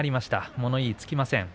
物言いはつきません。